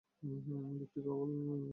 দ্বীপটি প্রবাল দ্বারা গঠিত হয়েছে।